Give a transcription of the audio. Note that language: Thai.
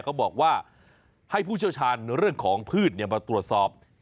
เขาบอกว่าให้ผู้เชี่ยวชาญเรื่องของพืชมาตรวจสอบ